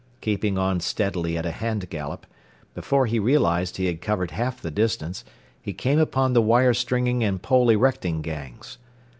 Keeping on steadily at a hand gallop, before he realized he had covered half the distance, he came upon the wire stringing and pole erecting gangs.